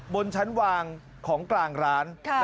บนชั้นวางของกลางร้าน